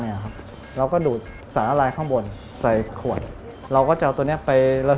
แล้วก็ดูดสารละลายเข้าไปใช้ในการตกวิเคราะห์